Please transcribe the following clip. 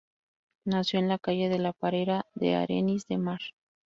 Nació en la calle de la Parera de Arenys de Mar.